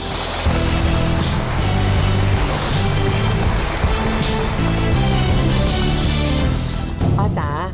ผมคิดว่าสงสารแกครับ